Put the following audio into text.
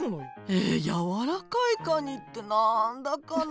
えっやわらかいカニって何だかね。